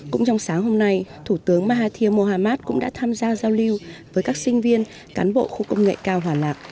cũng trong sáng hôm nay thủ tướng mahathir mohamad cũng đã tham gia giao lưu với các sinh viên cán bộ khu công nghệ cao hòa lạc